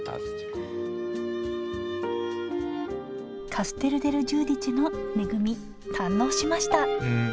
カステル・デル・ジューディチェの恵み堪能しましたうん。